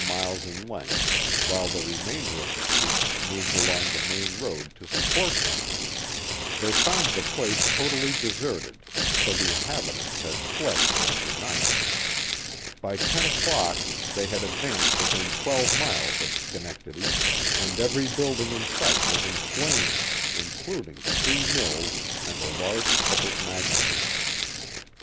miles in length, while the remainder of the troops moved along the main road lo support them. They found The Joseph Brant of Romance and of Fact 271 the place totally deserted, for the inhabitants had fled during the night. By ten o'clock they had advanced within twelve miles of Schenectady, and every building in sight was in flames, including three mills and a large public magazine.